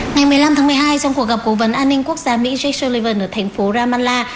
ngày một mươi năm tháng một mươi hai trong cuộc gặp cố vấn an ninh quốc gia mỹ jake sullivan ở thành phố ramallah